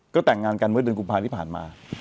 ก็แต่งงานกันเมื่อเดือนกุมภาที่ผ่านมา